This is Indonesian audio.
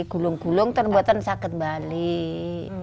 gulung gulung itu buat sakit balik